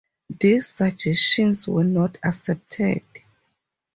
These suggestions were not accepted.